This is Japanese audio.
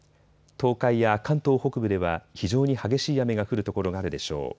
東海や関東北部では非常に激しい雨が降るところがあるでしょう。